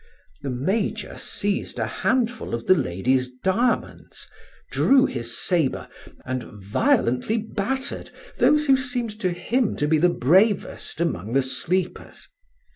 The major seized a handful of the lady's diamonds, drew his sabre, and violently battered those who seemed to him to be the bravest among the sleepers.